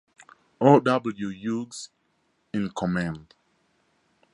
O. W. Hughes in command.